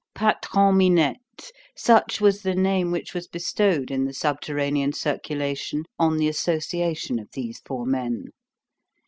Patron Minette,—such was the name which was bestowed in the subterranean circulation on the association of these four men.